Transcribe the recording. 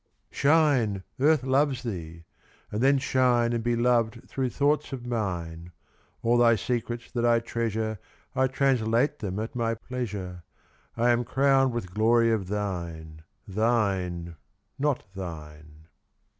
Shine, Earth loves thee! And then shine And be loved through thoughts of mine. All thy secrets that I treasure I translate them at my pleasure. I am crowned with glory of thine. Thine, not thine.